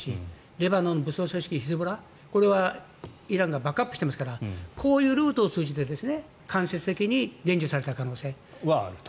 レバノン武装組織ヒズボラ、これはイランがバックアップしていますからこういうルートを通じて間接的に伝授された可能性はある。